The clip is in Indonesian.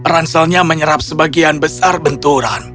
ranselnya menyerap sebagian besar benturan